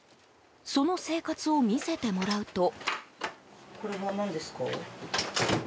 その生活を見せてもらうと。